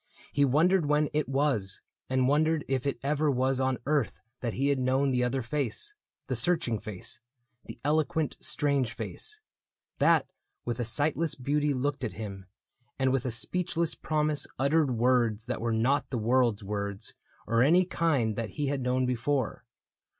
He wondered when It was, and wondered if it ever was On earth that he had known the other face — The searching face, the eloquent, strange face — That with a sightless beauty looked at him And with a speechless promise uttered words That were not the world's words, or any kind That he had known before.